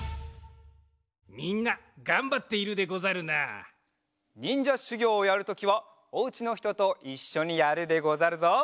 みんながんばっているでござるな。にんじゃしゅぎょうをやるときはお家のひとといっしょにやるでござるぞ。